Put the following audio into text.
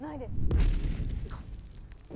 あっ行こう。